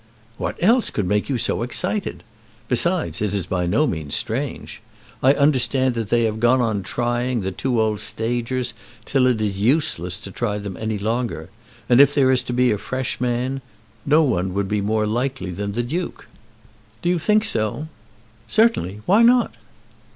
"What else could make you so excited? Besides, it is by no means strange. I understand that they have gone on trying the two old stagers till it is useless to try them any longer; and if there is to be a fresh man, no one would be more likely than the Duke." "Do you think so?" "Certainly. Why not?"